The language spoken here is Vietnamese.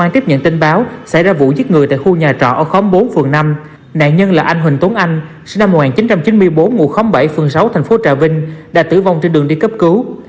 tại vụ giết người tại khu nhà trọ ở khóm bốn phường năm nạn nhân là anh huỳnh tốn anh sinh năm một nghìn chín trăm chín mươi bốn ngụ khóm bảy phường sáu thành phố trà vinh đã tử vong trên đường đi cấp cứu